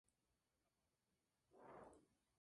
El juego está ligeramente inspirado en James Bond.